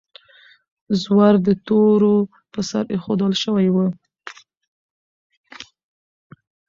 زور د تورو پر سر ایښودل شوی و.